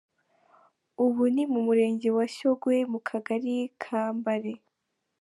Ubu ni mu Murenge wa Shyogwe mu kagari ka Mbare.